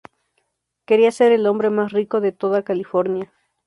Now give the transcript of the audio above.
Quería ser el hombre más rico de toda California.